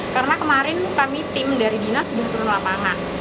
karena kemarin kami tim dari dinas beruntung lapangan